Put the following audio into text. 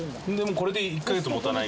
これでも１カ月もたない？